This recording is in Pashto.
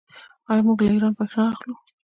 آیا موږ له ایران بریښنا اخلو؟